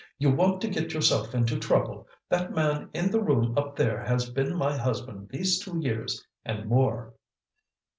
"You want to get yourself into trouble! That man in the room up there has been my husband these two years and more."